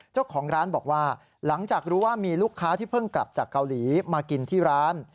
เจ้าของร้านบอกว่าหลังจากรู้ว่ามีลูกค้าที่เพิ่งกลับจากเกาหลีมากินที่ร้าน